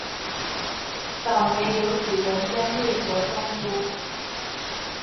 早年由举人捐内阁中书。